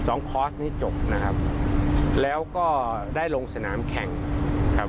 คอร์สนี้จบนะครับแล้วก็ได้ลงสนามแข่งครับ